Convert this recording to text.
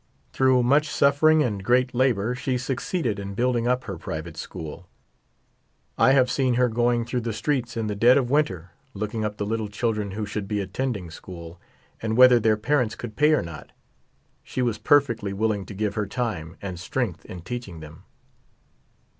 Through much suffering and great labor she succeeded in building up her private school. I have seen her going through the streets in the dead of winter looking up the little children who should be attending school : and whether their parents could pay or not, she was perfectly willing to give her time and strength in teaching them.